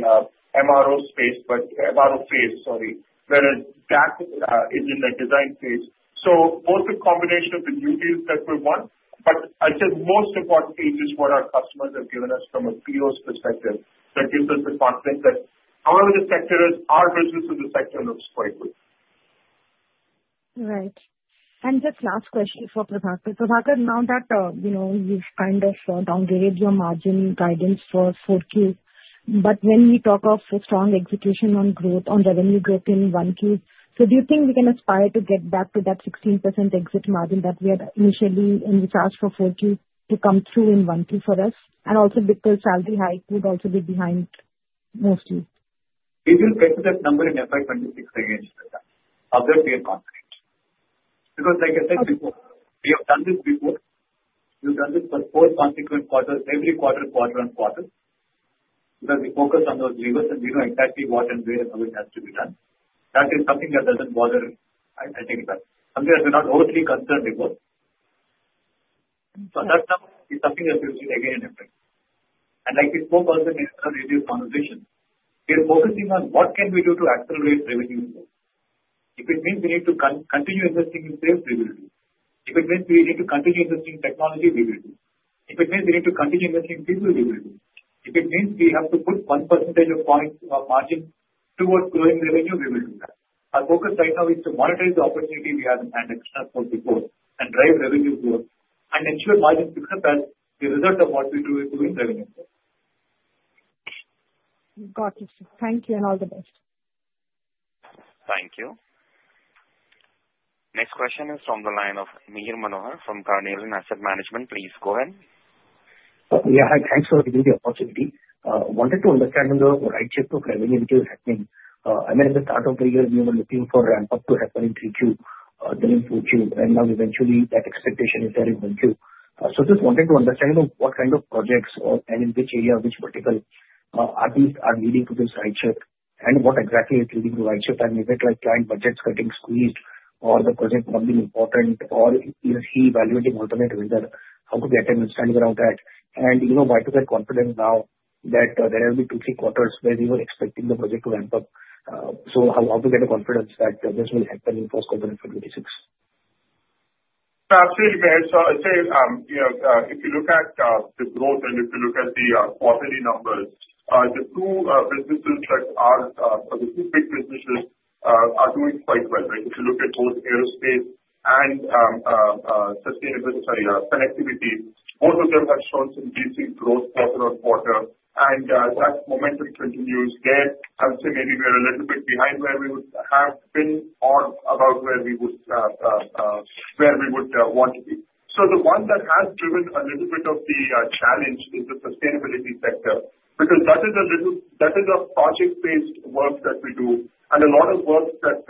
MRO space, but MRO phase, sorry, whereas that is in the design phase. So both the combination of the new deals that we've won, but I'd say the most important piece is what our customers have given us from a PO's perspective that gives us the confidence that, however the sector is, our business in the sector looks quite good. Right, and just last question for Prabhakar. Prabhakar, now that you've kind of downgraded your margin guidance for Q4, but when we talk of strong execution on revenue growth in Q1, so do you think we can aspire to get back to that 16% exit margin that we had initially in charge for Q4 to come through in Q1 for us? And also because salary hike would also be behind mostly. We will better that number in FY 2026 again, Shraddha, otherwise we're not great. Because, like I said before, we have done this before. We've done this for four consecutive quarters, every quarter, quarter, and quarter, because we focus on those levers, and we know exactly what and where and how it has to be done. That is something that doesn't bother, I think, us. Something that we're not overly concerned about, so that number is something that we'll see again in FY 2026, and like we spoke of the minimum revenue conversation, we're focusing on what can we do to accelerate revenue growth. If it means we need to continue investing in sales, we will do. If it means we need to continue investing in technology, we will do. If it means we need to continue investing in people, we will do. If it means we have to put 1% of margin towards growing revenue, we will do that. Our focus right now is to monitor the opportunity we had, and Krishna spoke before, and drive revenue growth and ensure margin picks up as the result of what we do is growing revenue. Got it. Thank you, and all the best. Thank you. Next question is from the line of Mihir Manohar from Carnelian Asset Management. Please go ahead. Yeah. Hi. Thanks for giving me the opportunity. Wanted to understand on the right shift of revenue, which is happening. I mean, at the start of the year, we were looking for a ramp-up to happen in Q3, then in Q4, and now eventually that expectation is there in Q1. So just wanted to understand what kind of projects and in which area, which vertical are these leading to this right shift, and what exactly is leading to right shift, and is it like client budgets getting squeezed, or the project not being important, or is he evaluating alternative vendor? How to get him to spend around that? And how do we get confidence now that there will not be two, three quarters where we were expecting the project to ramp up? So how to get the confidence that this will happen in 4th quarter of 2026? Absolutely, so I'd say if you look at the growth and if you look at the quarterly numbers, the two businesses that are the two big businesses are doing quite well. If you look at both aerospace and sustainability, sorry, connectivity, both of them have shown some decent growth quarter on quarter, and that momentum continues. There, I would say maybe we're a little bit behind where we would have been or about where we would want to be. So the one that has driven a little bit of the challenge is the sustainability sector because that is a project-based work that we do, and a lot of work that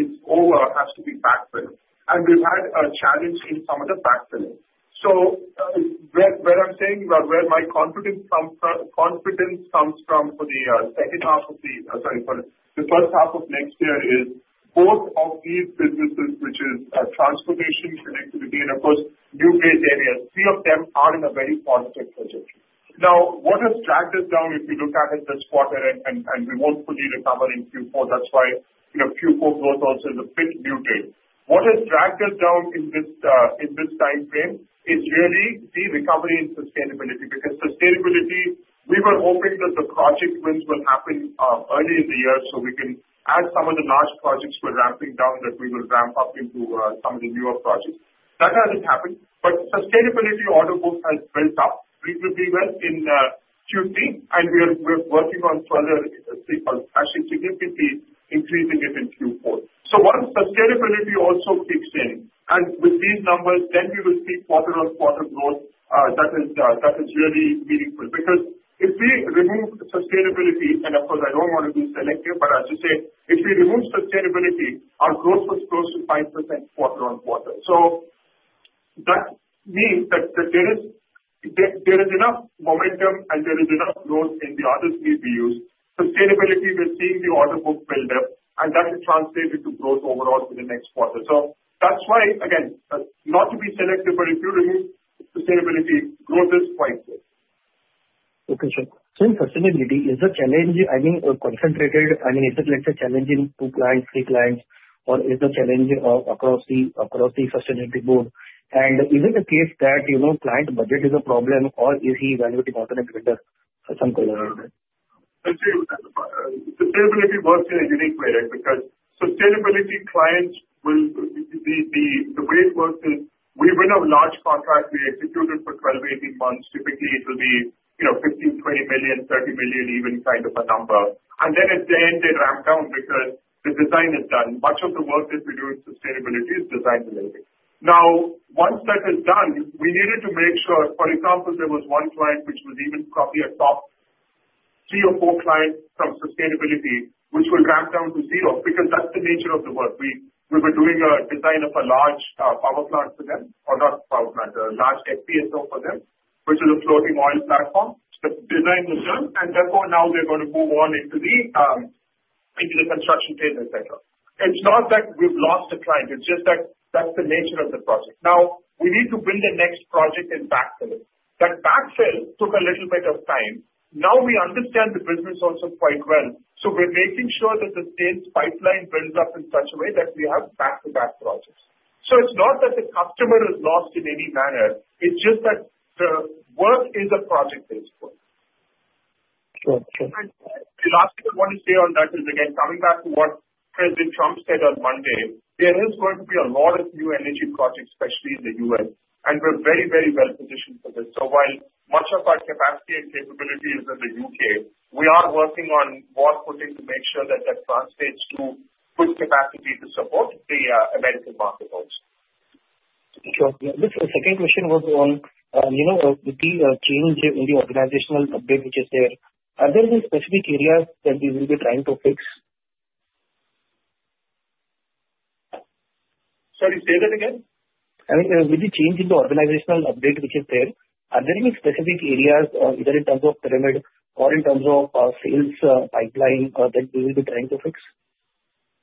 is over has to be backfilled, and we've had a challenge in some of the backfilling. So where I'm saying about where my confidence comes from for the second half of the sorry, for the first half of next year is both of these businesses, which is transportation, connectivity, and of course, new-based areas. Three of them are in a very positive trajectory. Now, what has dragged us down, if you look at it this quarter, and we won't fully recover in Q4, that's why Q4 growth also is a bit muted. What has dragged us down in this time frame is really the recovery in sustainability because sustainability, we were hoping that the project wins will happen early in the year so we can add some of the large projects we're ramping down that we will ramp up into some of the newer projects. That hasn't happened, but sustainability order book has built up reasonably well in Q3, and we're working on further actually significantly increasing it in Q4. So once sustainability also kicks in, and with these numbers, then we will see quarter on quarter growth that is really meaningful because if we remove sustainability, and of course, I don't want to be selective, but I'll just say if we remove sustainability, our growth was close to 5% quarter on quarter. So that means that there is enough momentum and there is enough growth in the other three VUs. Sustainability, we're seeing the order book build up, and that will translate into growth overall for the next quarter. So that's why, again, not to be selective, but if you remove sustainability, growth is quite good. Okay. Sir, so in sustainability, is the challenge, I mean, concentrated, I mean, is it, let's say, challenging two clients, three clients, or is the challenge across the sustainability board, and is it the case that client budget is a problem, or is he evaluating alternative vendors for some collaboration? I'd say sustainability works in a unique way because sustainability clients will the way it works is we win a large contract, we execute it for 12 to 18 months. Typically, it will be 15 to 20 million, 30 million, even kind of a number. And then at the end, they ramp down because the design is done. Much of the work that we do in sustainability is design-related. Now, once that is done, we needed to make sure, for example, there was one client which was even probably a top three or four clients from sustainability, which will ramp down to zero because that's the nature of the work. We were doing a design of a large power plant for them, or not power plant, a large FPSO for them, which is a floating oil platform. The design was done, and therefore now they're going to move on into the construction phase, etc. It's not that we've lost a client. It's just that that's the nature of the project. Now, we need to build the next project and backfill it. That backfill took a little bit of time. Now we understand the business also quite well. So we're making sure that the sales pipeline builds up in such a way that we have back-to-back projects. So it's not that the customer is lost in any manner. It's just that the work is a project-based work. Sure. Sure. The last thing I want to say on that is, again, coming back to what President Trump said on Monday, there is going to be a lot of new energy projects, especially in the U.S., and we're very, very well positioned for this. So while much of our capacity and capability is in the U.K., we are working on what we're doing to make sure that that translates to good capacity to support the American market also. Sure. The second question was on the change in the organizational update which is there. Are there any specific areas that we will be trying to fix? Sorry, say that again? I mean, with the change in the organizational update which is there, are there any specific areas, either in terms of pyramid or in terms of sales pipeline, that we will be trying to fix?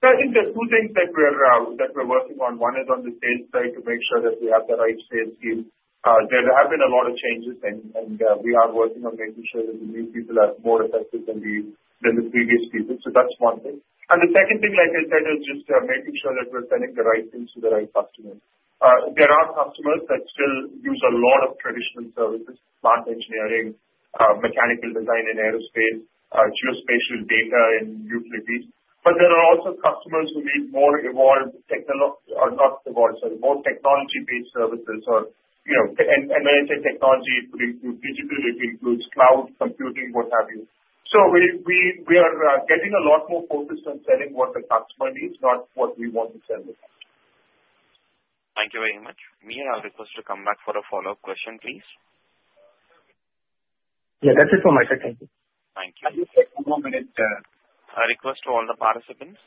So I think there are two things that we're working on. One is on the sales side to make sure that we have the right sales team. There have been a lot of changes, and we are working on making sure that the new people are more effective than the previous people. So that's one thing. And the second thing, like I said, is just making sure that we're selling the right things to the right customers. There are customers that still use a lot of traditional services: plant engineering, mechanical design in aerospace, geospatial data in utilities. But there are also customers who need more evolved or not evolved, sorry, more technology-based services. And when I say technology, it includes digital, it includes cloud computing, what have you. We are getting a lot more focused on selling what the customer needs, not what we want to sell the customer. Thank you very much. Mihir, I'll request you to come back for a follow-up question, please. Yeah, that's it for my side. Thank you. Thank you. I'll just take one more minute. A request to all the participants.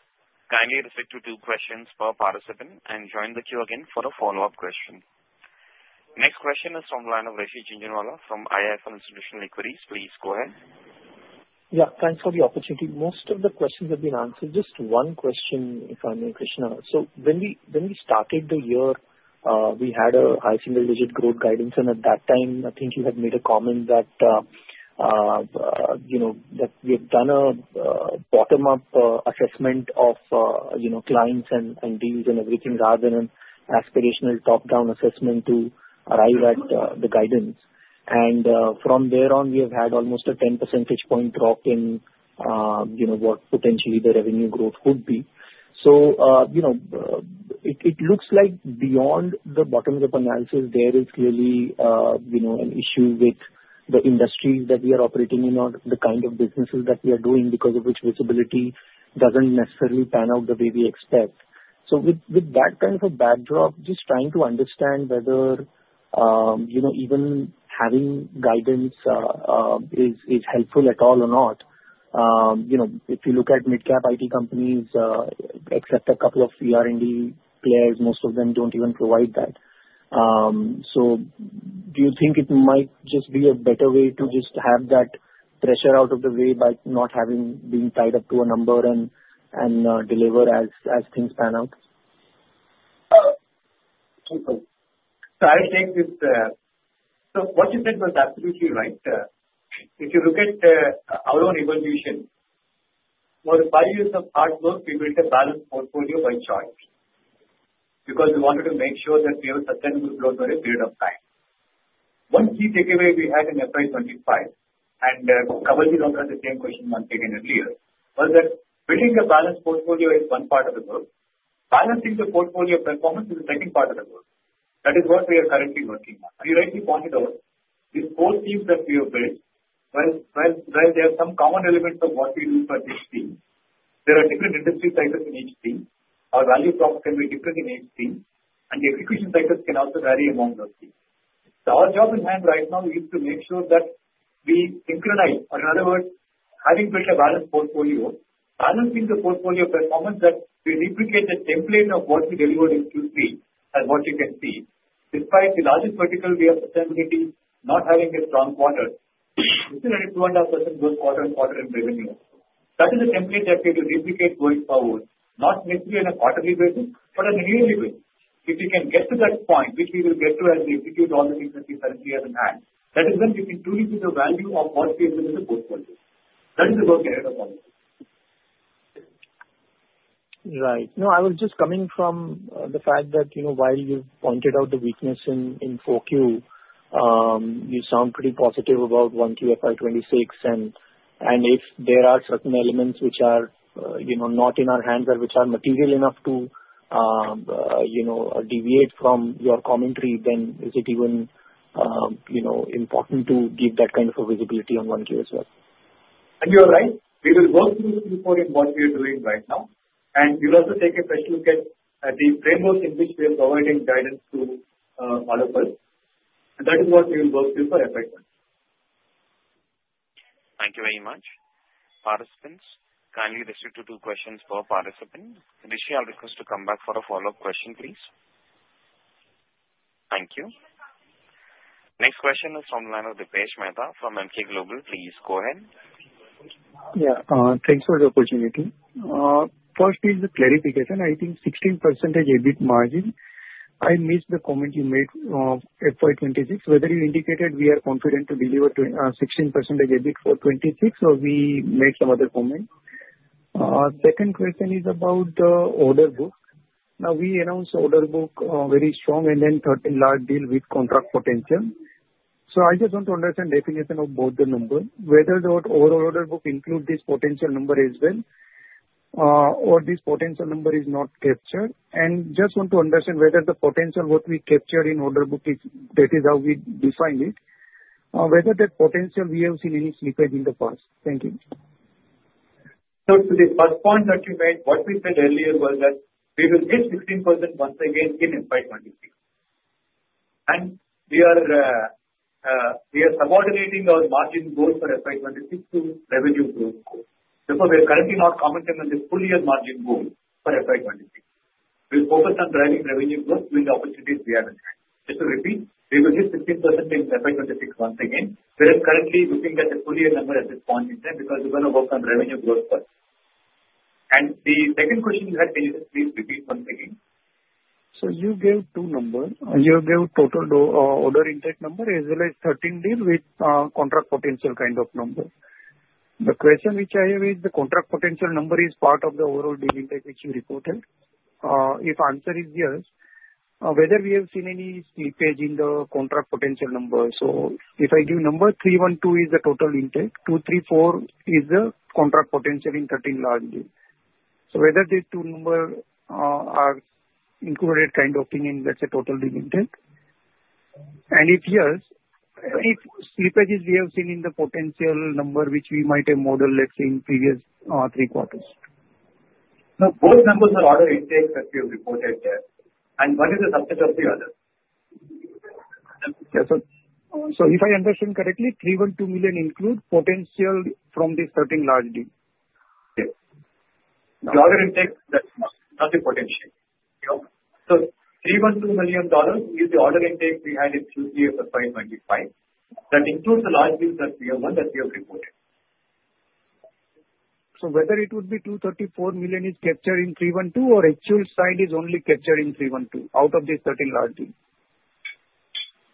Kindly respect your two questions per participant and join the queue again for a follow-up question. Next question is from the line of Rishi Jhunjhunwala from IIFL Securities. Please go ahead. Yeah. Thanks for the opportunity. Most of the questions have been answered. Just one question, if I may, Krishna. So when we started the year, we had a high single-digit growth guidance, and at that time, I think you had made a comment that we have done a bottom-up assessment of clients and deals and everything rather than an aspirational top-down assessment to arrive at the guidance. And from there on, we have had almost a 10 percentage point drop in what potentially the revenue growth could be. So it looks like beyond the bottom-up analysis, there is clearly an issue with the industries that we are operating in or the kind of businesses that we are doing because of which visibility doesn't necessarily pan out the way we expect. With that kind of a backdrop, just trying to understand whether even having guidance is helpful at all or not. If you look at mid-cap IT companies, except a couple of ER&D players, most of them don't even provide that. Do you think it might just be a better way to just have that pressure out of the way by not having been tied up to a number and deliver as things pan out? I think what you said was absolutely right. If you look at our own evolution, for five years of hard work, we built a balanced portfolio by choice because we wanted to make sure that we have a sustainable growth over a period of time. One key takeaway we had in FY 2025, and I'll probably not ask the same question once again earlier, was that building a balanced portfolio is one part of the work. Balancing the portfolio performance is the second part of the work. That is what we are currently working on. You rightly pointed out these four teams that we have built, while there are some common elements of what we do for each team, there are different industry sectors in each team. Our value props can be different in each team, and the execution cycles can also vary among those teams. So our job in hand right now is to make sure that we synchronize, or in other words, having built a balanced portfolio, balancing the portfolio performance that we replicate the template of what we delivered in Q3, as what you can see. Despite the largest vertical we have sustainability not having a strong quarter, we still had a 2.5% growth quarter on quarter in revenue. That is a template that we will replicate going forward, not necessarily on a quarterly basis, but on a yearly basis. If we can get to that point, which we will get to as we execute all the things that we currently have in hand, that is when we can truly see the value of what we execute the portfolio. That is the growth narrative on the team. Right. No, I was just coming from the fact that while you pointed out the weakness in Q4, you sound pretty positive about Q1 FY 2026, and if there are certain elements which are not in our hands or which are material enough to deviate from your commentary, then is it even important to give that kind of a visibility on Q1 as well? You're right. We will work through Q4 in what we are doing right now, and we'll also take a special look at the frameworks in which we are providing guidance to all of us. That is what we will work through for FY 2026. Thank you very much. Participants, kindly respect your two questions per participant. Rishi, I'll request you to come back for a follow-up question, please. Thank you. Next question is from the line of Dipesh Mehta from Emkay Global Financial Services. Please go ahead. Yeah. Thanks for the opportunity. First is the clarification. I think 16% EBIT margin. I missed the comment you made on FY 2026, whether you indicated we are confident to deliver 16% EBIT for 26 or we made some other comment. Second question is about the order book. Now, we announced order book very strong and then 13 large deal with contract potential. So I just want to understand definition of both the number, whether the overall order book includes this potential number as well or this potential number is not captured. And just want to understand whether the potential what we captured in order book, that is how we defined it, whether that potential we have seen any slippage in the past. Thank you. To the first point that you made, what we said earlier was that we will hit 16% once again in FY 2026. We are subordinating our margin goal for FY 2026 to revenue growth goal. Therefore, we are currently not commenting on the full-year margin goal for FY 2026. We'll focus on driving revenue growth with the opportunities we have at hand. Just to repeat, we will hit 16% in FY 2026 once again. We're currently looking at the full-year number at this point in time because we're going to work on revenue growth first. The second question you had, can you just please repeat once again? So you gave two numbers. You gave total order intake number as well as 13 deals with contract potential kind of number. The question which I have is the contract potential number is part of the overall order intake which you reported? If answer is yes, whether we have seen any slippage in the contract potential number. So if I give number 312 is the total intake, 234 is the contract potential in 13 large deals. So whether these two numbers are included kind of thing in, let's say, total order intake. And if yes, any slippages we have seen in the potential number which we might have modeled, let's say, in previous three quarters? Now, both numbers are order intake that we have reported there, and what is the subset of the other? Yes. So if I understand correctly, $312 million includes potential from these 13 large deals? Yes. The order intake, that's the potential. So $312 million is the order intake we had in Q3 of FY 2025 that includes the large deals that we have reported. So whether it would be 234 million is captured in 312 or actual sign is only captured in 312 out of these 13 large deals?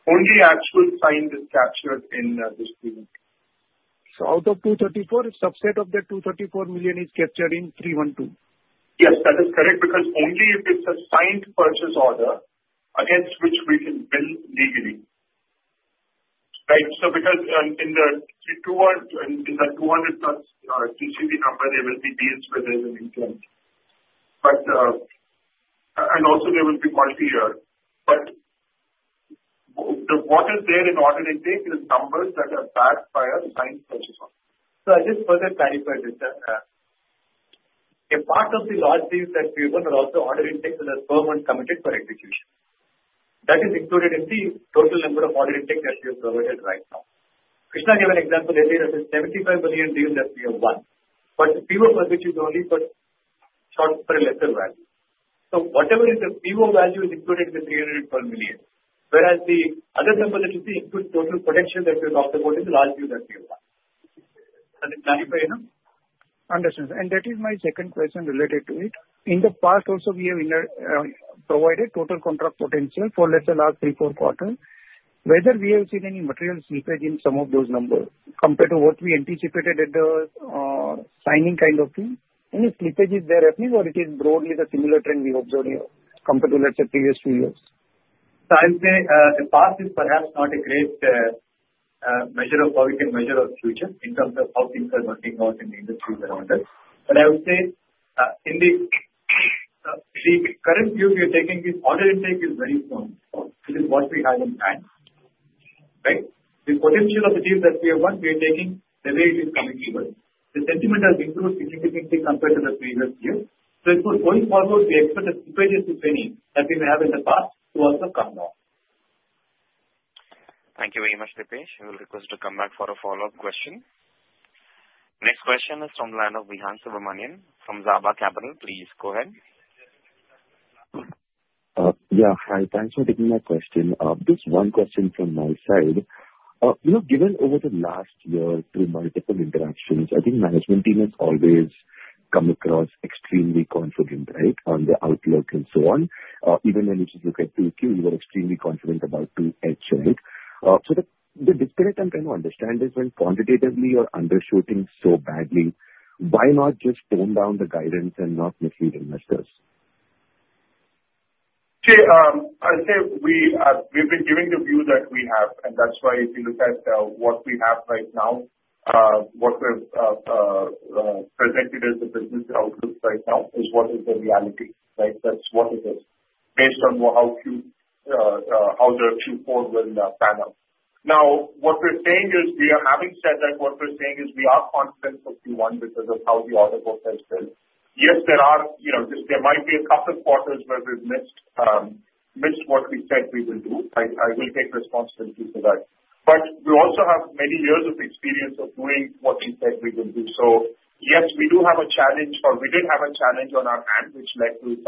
Only actual sign is captured in this 312. So out of 234, subset of the 234 million is captured in 312? Yes, that is correct because only if it's a signed purchase order against which we can build legally. Right? So because in the 200-plus TCV number, there will be deals where there's an intake. And also, there will be multi-year. But what is there in order intake is numbers that are backed by a signed purchase order. So I just further clarify this that a part of the large deals that we want are also order intake that are firm and committed for execution. That is included in the total number of order intake that we have provided right now. Krishna gave an example earlier that it's $75 million deals that we have won, but PO for which is only short for a lesser value. So whatever is the PO value is included in the $312 million, whereas the other number that you see includes total potential that we have talked about in the large deal that we have won. Does it clarify enough? Understood. And that is my second question related to it. In the past, also, we have provided total contract potential for, let's say, last three, four quarters. Whether we have seen any material slippage in some of those numbers compared to what we anticipated at the signing kind of thing, any slippages there happening, or it is broadly the similar trend we observed here compared to, let's say, previous two years? So I would say the past is perhaps not a great measure of how we can measure our future in terms of how things are working out in the industries around us. But I would say in the current view we are taking, the order intake is very strong, which is what we have in hand. Right? The potential of the deals that we have won, we are taking the way it is coming forward. The sentiment has improved significantly compared to the previous year. So going forward, we expect the slippages if any that we may have in the past to also come down. Thank you very much, Dipesh. We'll request you to come back for a follow-up question. Next question is from the line of Vihan Subramanian from Zaaba Capital. Please go ahead. Yeah. Hi. Thanks for taking my question. Just one question from my side. Given over the last year through multiple interactions, I think management team has always come across extremely confident, right, on the outlook and so on. Even when we just look at Q2, you were extremely confident about 2H, right? So the disparity I'm trying to understand is when quantitatively you're undershooting so badly, why not just tone down the guidance and not mislead investors? See, I'll say we have been giving the view that we have, and that's why if you look at what we have right now, what we've presented as the business outlook right now is what is the reality, right? That's what it is based on how the Q4 will pan out. Now, what we're saying is we are confident for Q1 because of how the order book has been. Yes, there might be a couple of quarters where we've missed what we said we will do. I will take responsibility for that. But we also have many years of experience of doing what we said we will do. So yes, we do have a challenge, or we did have a challenge on our hands, which led to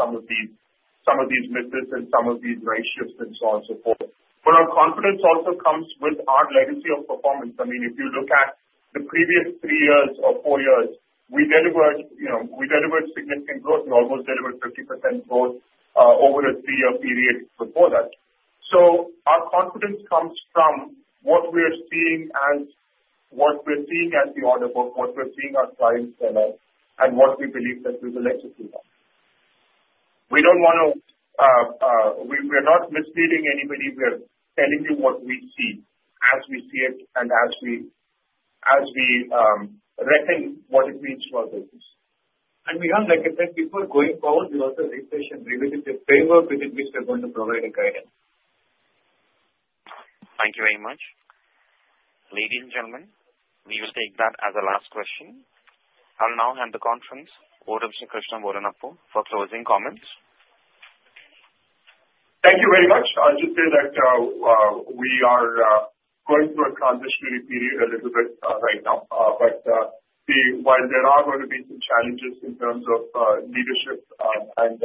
some of these misses and some of these right shifts and so on and so forth. But our confidence also comes with our legacy of performance. I mean, if you look at the previous three years or four years, we delivered significant growth. We almost delivered 50% growth over a three-year period before that. So our confidence comes from what we are seeing as what we're seeing as the order book, what we're seeing our clients tell us, and what we believe that we will execute on. We don't want to, we are not misleading anybody. We are telling you what we see as we see it and as we reckon what it means for our business. Vihaan, like I said, before going forward, we also request and revisit the framework within which we are going to provide a guidance. Thank you very much. Ladies and gentlemen, we will take that as a last question. I'll now hand the conference over to Mr. Krishna Bodanapu for closing comments. Thank you very much. I'll just say that we are going through a transitionary period a little bit right now. But see, while there are going to be some challenges in terms of leadership and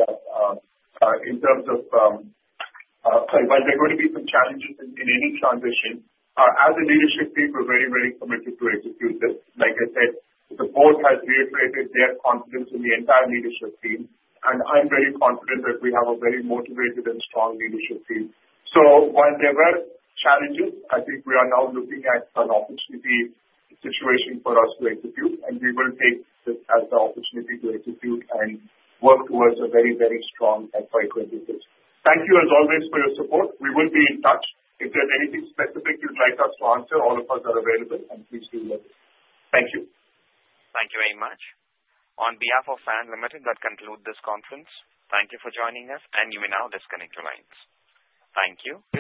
in terms of while there are going to be some challenges in any transition, as a leadership team, we're very, very committed to execute this. Like I said, the board has reiterated their confidence in the entire leadership team, and I'm very confident that we have a very motivated and strong leadership team. So while there were challenges, I think we are now looking at an opportunity situation for us to execute, and we will take this as the opportunity to execute and work towards a very, very strong FY 2026. Thank you, as always, for your support. We will be in touch. If there's anything specific you'd like us to answer, all of us are available, and please do let us know. Thank you. Thank you very much. On behalf of Cyient Limited, that concludes this conference. Thank you for joining us, and you may now disconnect your lines. Thank you.